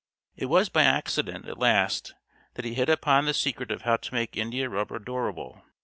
It was by accident at last that he hit upon the secret of how to make India rubber durable.